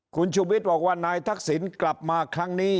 คุณชูวิทย์บอกว่านายทักษิณกลับมาครั้งนี้